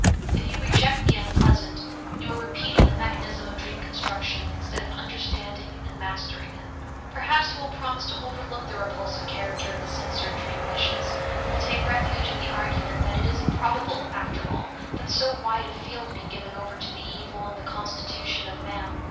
If you reject the unpleasant, you are repeating the mechanism of dream construction instead of understanding and mastering it. Perhaps you will promise to overlook the repulsive character of the censored dream wishes, and will take refuge in the argument that it is improbable, after all, that so wide a field be given over to the evil in the constitution of man.